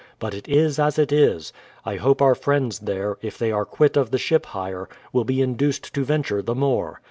But it is as it is. I hope our friends there, if they are quit of the ship hire, will be induced to venture the more.